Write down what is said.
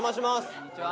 こんにちは！